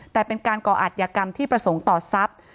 แต่เป็นการก่ออัตยกรรมที่ประสงค์ต่อทรัพย์